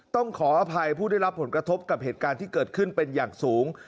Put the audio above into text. ต้องขออภัยผู้ได้รับผลกระทบกับเหตุการณ์ที่เกิดขึ้นเป็นอย่างสูง